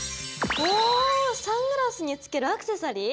おサングラスにつけるアクセサリー？